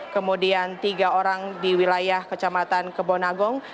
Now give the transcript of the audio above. kemudian tiga orang di wilayah kecamatan kebonagong